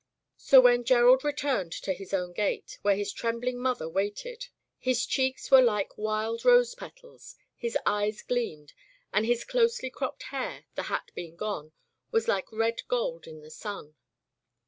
So when Gerald returned to his own gate, where his trembling mother waited, his chec; ks were like wild rose petals, his eyes gleamed, and his closely cropped hair, the hat being gone, was like red gold in the sun.